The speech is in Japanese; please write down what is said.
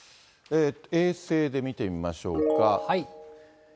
衛星で見てみましょうか。